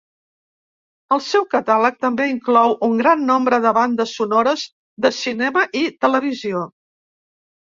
El seu catàleg també inclou un gran nombre de bandes sonores de cinema i televisió.